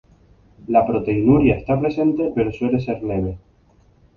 La proteinuria esta presente pero suele ser leve.